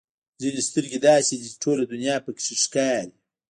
ځینې سترګې داسې دي چې ټوله دنیا پکې ښکاري.